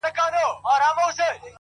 نن خو يې بيا راته يوه پلنډه غمونه راوړل،